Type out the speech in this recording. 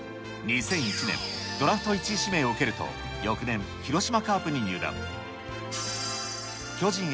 ２００１年、ドラフト１位指名を受けると、翌年、広島カープに入団。